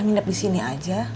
nginap disini aja